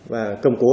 và cầm cố